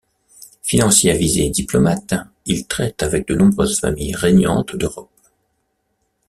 Financier avisé et diplomate, il traite avec de nombreuses familles régnantes d'Europe.